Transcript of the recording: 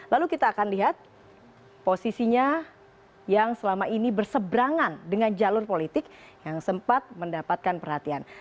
lalu kita akan lihat posisinya yang selama ini berseberangan dengan jalur politik yang sempat mendapatkan perhatian